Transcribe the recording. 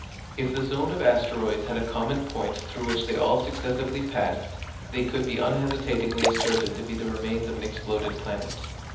If the zone of asteroids had a common point through which they all successively passed, they could be unhesitatingly asserted to be the remains of an exploded planet.